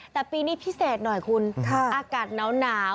แต่ปีนี้พิเศษหน่อยคุณอากาศหนาว